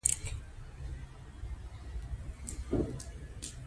سرحدونه د افغانستان د اقلیمي نظام ښکارندوی ده.